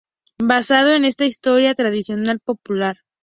Basado, en esta historia tradicional popular.